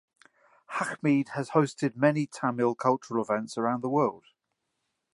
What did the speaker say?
Hameed has hosted many Tamil cultural events around the world.